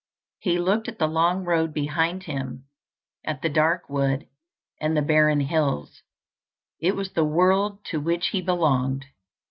He looked at the long road behind him, at the dark wood and the barren hills; it was the world to which he belonged.